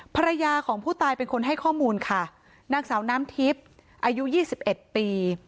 ภรรยาของผู้ตายเป็นคนให้ข้อมูลค่ะนางสาวน้ำทิพย์อายุ๒๑ปี